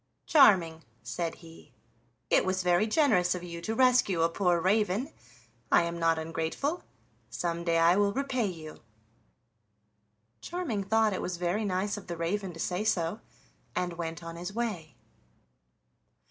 "Charming," said he, "it was very generous of you to rescue a poor raven; I am not ungrateful, some day I will repay you." Charming thought it was very nice of the raven to say so, and went on his way.